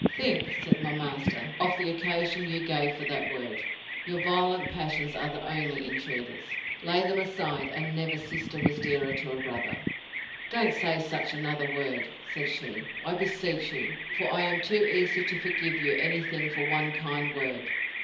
—Think, said my master, of the occasion you gave for that word. Your violent passions are the only intruders! Lay them aside, and never sister was dearer to a brother. Don't say such another word, said she, I beseech you; for I am too easy to forgive you any thing for one kind word!